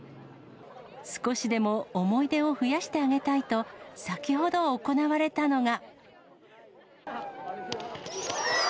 少しでも思い出を増やしてあげたいと、先ほど行われたのが。